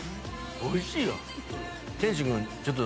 おいしいよ。